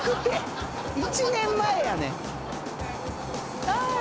１年前やねん」